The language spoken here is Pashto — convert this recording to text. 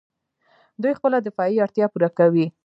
دوی خپله دفاعي اړتیا پوره کوي.